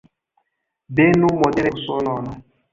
Benu modere Usonon!